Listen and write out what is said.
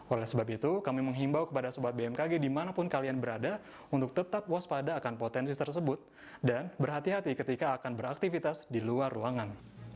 oleh sebab itu kami menghimbau kepada sobat bmkg dimanapun kalian berada untuk tetap waspada akan potensi tersebut dan berhati hati ketika akan beraktivitas di luar ruangan